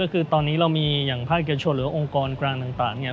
ก็คือตอนนี้เรามีอย่างภาคเกียรติชนหรือองค์กรกลางต่าง